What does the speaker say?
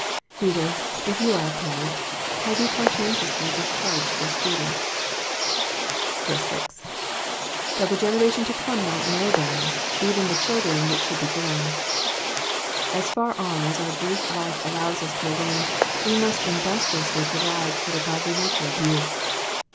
Reader, if you are a parent, have you conscientiously discharged this duty ? 6. ^''That the generation to come might know them^ even the children foAieft should he born.'*'* As far on as our brief life allows us to arrange, we must indus triously provide for the godly nurture of youth.